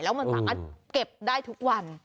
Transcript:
แล้วมันสามารถเก็บได้ทุกวัน